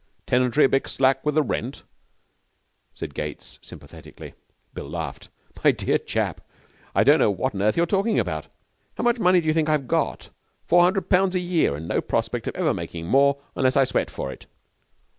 'Tenantry a bit slack with the rent?' said Gates sympathetically. Bill laughed. 'My dear chap, I don't know what on earth you're talking about. How much money do you think I've got? Four hundred pounds a year, and no prospect of ever making more unless I sweat for it.'